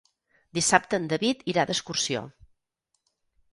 Dissabte en David irà d'excursió.